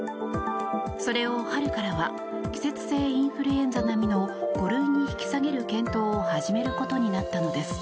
それを春からは季節性インフルエンザ並みの５類に引き下げる検討を始めることになったのです。